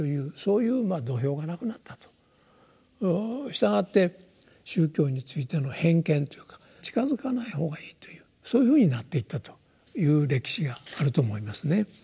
したがって宗教についての偏見というか近づかない方がいいというそういうふうになっていったという歴史があると思いますね。